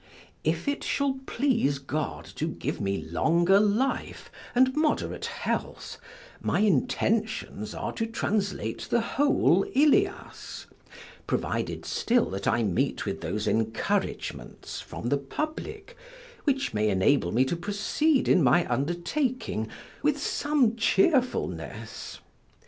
If it shall please God to give me longer life, and moderate health, my intentions are to translate the whole Ilias; provided still that I meet with those encouragements from the public which may enable me to proceed in my undertaking with some cheerfulness.